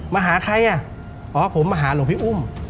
มาหาใครอ่ะอ๋อผมมาหาหลวงพี่อุ้ม